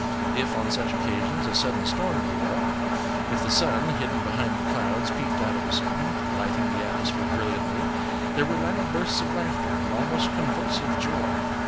If on such occasions a sudden storm blew up, if the sun, hidden behind the clouds, peeped out of a sudden, lighting the atmosphere brilliantly, there were loud bursts of laughter and almost convulsive joy.